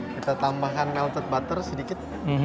kita tambahkan melted butter sedikit